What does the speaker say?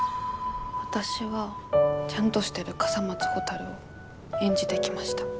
わたしは「ちゃんとしてる笠松ほたる」を演じてきました。